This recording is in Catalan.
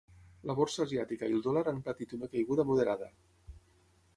La borsa asiàtica i el dolar han patit una caiguda moderada.